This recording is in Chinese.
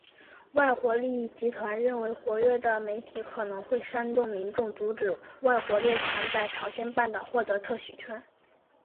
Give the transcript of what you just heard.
外国利益集团认为活跃的媒体可能会煽动民众阻止外国列强在朝鲜半岛获得特许权。